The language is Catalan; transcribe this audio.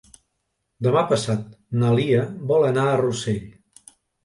Demà passat na Lia vol anar a Rossell.